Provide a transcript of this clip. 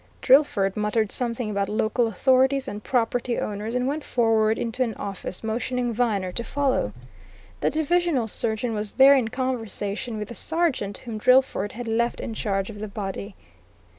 Drillford muttered something about local authorities and property owners and went forward into an office, motioning Viner to follow. The divisional surgeon was there in conversation with the sergeant whom Drillford had left in charge of the body.